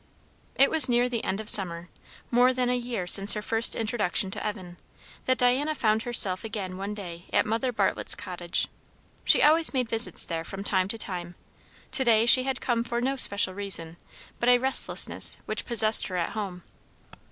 It was near the end of summer, more than a year since her first introduction to Evan, that Diana found herself again one day at Mother Bartlett's cottage. She always made visits there from time to time; to day she had come for no special reason, but a restlessness which possessed her at home.